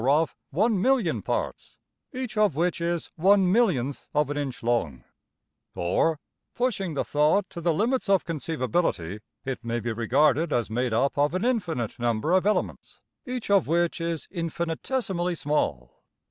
png}% or of $1,000,000$ parts, each of which is $\frac{1,000,000}$~of an inch long; or, pushing the thought to the limits of conceivability, it may be regarded as made up of an infinite number of elements each of which is infinitesimally small.